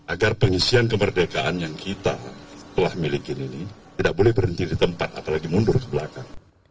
agar pengisian kemerdekaan yang kita telah miliki ini tidak boleh berhenti di tempat apalagi mundur ke belakang